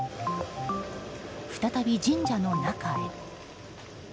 再び神社の中へ。